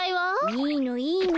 いいのいいの。